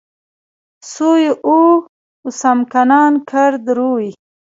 سوی اوه و سمکنان کرد روی